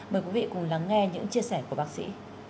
mời quý vị cùng lắng nghe những chia sẻ của bác sĩ